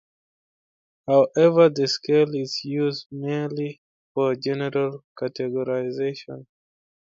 However, the scale is used merely for general categorization.